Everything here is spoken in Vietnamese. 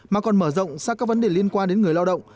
mà còn mở rộng sang các vấn đề liên quan đến người lao động